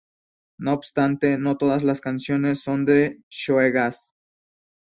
No obstante, no todas las canciones son de shoegaze.